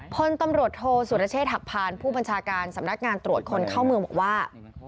พลตำรวจโทสุรเชษฐหักพานผู้บัญชาการสำนักงานตรวจคนเข้าเมืองบอกว่า